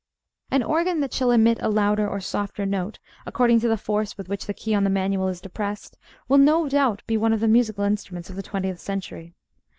An organ that shall emit a louder or softer note, according to the force with which the key on the manual is depressed, will no doubt be one of the musical instruments of the twentieth century.